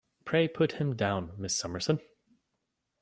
Pray put him down, Miss Summerson!